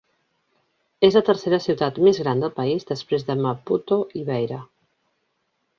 És la tercera ciutat més gran del país després de Maputo i Beira.